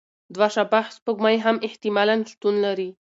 دوه شبح سپوږمۍ هم احتمالاً شتون لري.